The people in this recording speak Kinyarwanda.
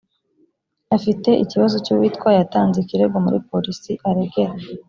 afite ikibazo cy uwitwa yatanze ikirego muri police aregera